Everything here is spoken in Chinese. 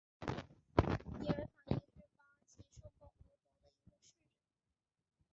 伊塔伊是巴西圣保罗州的一个市镇。